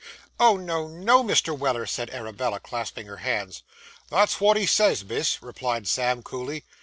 'Oh, no, no, Mr. Weller!' said Arabella, clasping her hands. 'That's wot he says, miss,' replied Sam coolly.